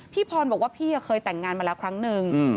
พรบอกว่าพี่เคยแต่งงานมาแล้วครั้งนึง